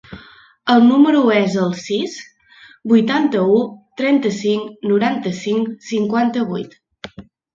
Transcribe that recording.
El meu número es el sis, vuitanta-u, trenta-cinc, noranta-cinc, cinquanta-vuit.